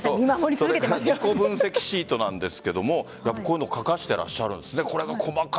自己分析シートなんですがこういうのを書かしていらっしゃるんですね。